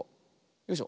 よいしょ。